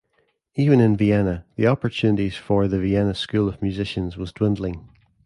Even in Vienna, the opportunities for the Vienna School of musicians was dwindling.